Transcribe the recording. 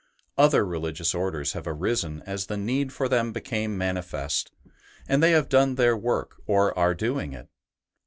Other religious Orders have arisen as the need for them became manifest, and they have done their work or are doing it.